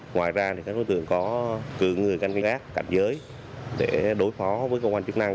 ngoài ra các đối tượng có cư người canh gác cảnh giới để đối phó với công an chức năng